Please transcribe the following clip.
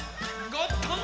ゴットン！